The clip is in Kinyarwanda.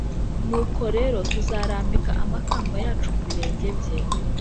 Nuko rero tuzarambika amakamba yacu ku birenge bye